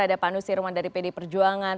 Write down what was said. ada pak nusirwan dari pd perjuangan